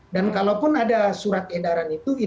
dan kalaupun ada surat edaran itu